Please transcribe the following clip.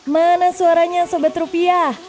mana suaranya sebet rupiah